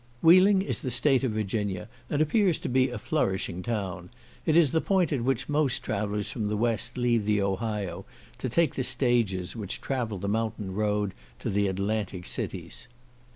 Wheeling is the state of Virginia, and appears to be a flourishing town. It is the point at which most travellers from the West leave the Ohio, to take the stages which travel the mountain road to the Atlantic cities.